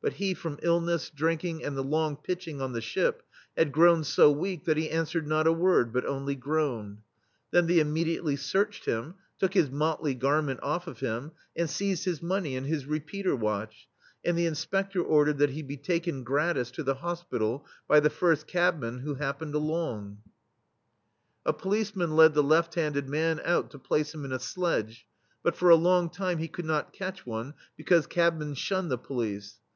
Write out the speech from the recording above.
'* But he, from illness, drinking, and the longpitching on the ship, had grown so weak that he answered not a word, but only groaned. Then they immediately searched him, took his motley garment off of him, and seized his money and his re peater watch, and the Inspector ordered that he be taken, gratis, to the hospi tal, by the first cabman who happened along.* * Policemen have the right to use cabs thus, gratis, for the [ 87 ] THE STEEL FLEA A policeman led the left handed man out to place him in a sledge, but for a long time he could not catch one, be cause cabmen shun the police.